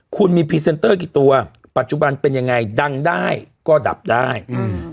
คุณมีพรีเซนเตอร์กี่ตัวปัจจุบันเป็นยังไงดังได้ก็ดับได้อืม